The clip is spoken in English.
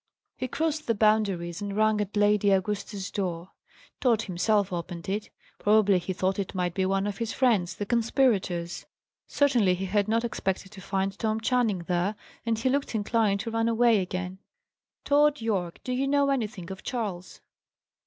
He crossed the Boundaries, and rang at Lady Augusta's door. Tod himself opened it. Probably he thought it might be one of his friends, the conspirators; certainly he had not expected to find Tom Channing there, and he looked inclined to run away again. "Tod Yorke, do you know anything of Charles?"